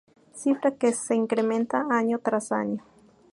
cifra que se incrementa año tras año